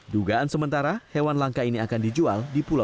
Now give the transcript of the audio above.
dugaan sementara hewan langka ini akan dijual diberi